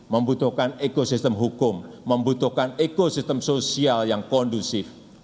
membutuhkan ekosistem hukum membutuhkan ekosistem sosial yang kondusif